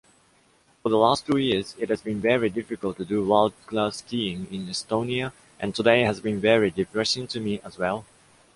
For the last two years it has been very difficult to do world-class skiing in Estonia and today has been very depressing to me as well.